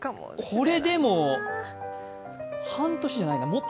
これ、でも半年じゃないかもっと？